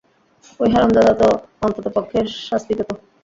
ওই হারামজাদা তো অন্ততপক্ষে শাস্তি পেতো!